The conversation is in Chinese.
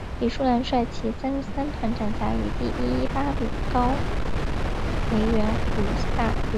李树兰率其第三十三团转辖于第一一八旅高魁元旅长麾下。